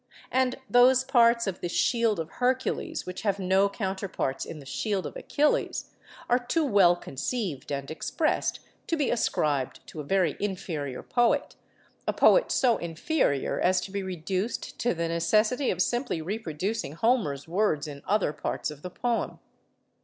And those parts of the 'Shield of Hercules,' which have no counterparts in the 'Shield of Achilles,' are too well conceived and expressed to be ascribed to a very inferior poet—a poet so inferior as to be reduced to the necessity of simply reproducing Homer's words in other parts of the poem.